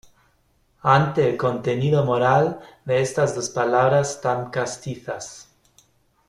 ante el contenido moral de estas dos palabras tan castizas: